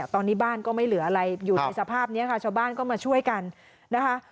ตอนนี้บ้านก็ไม่เหลืออะไรอยู่ในสภาพนี้ค่ะชาวบ้านก็มาช่วยกันนะคะ